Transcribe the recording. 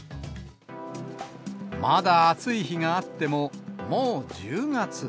まだ暑い日があっても、もう１０月。